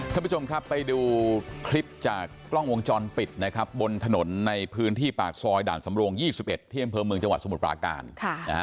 ท่านผู้ชมครับไปดูคลิปจากกล้องวงจรปิดนะครับบนถนนในพื้นที่ปากซอยด่านสำโรง๒๑ที่อำเภอเมืองจังหวัดสมุทรปราการ